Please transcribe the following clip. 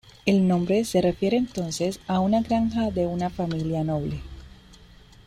El nombre se refería entonces a una granja de una familia noble.